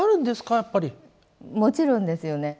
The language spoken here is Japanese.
もちろんですよね。